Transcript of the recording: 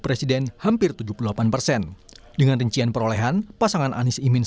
kpu tidak pernah mematok tidak pernah mengunci tidak pernah menargetkan partai tertentu pasangan calon tertentu